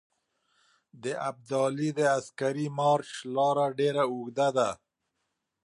د ابدالي د عسکري مارچ لاره ډېره اوږده ده.